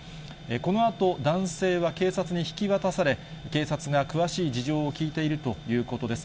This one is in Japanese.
このあと、男性は警察に引き渡され、警察が詳しい事情を聴いているということです。